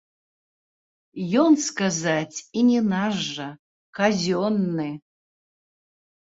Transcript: Ён, сказаць, і не наш жа, казённы.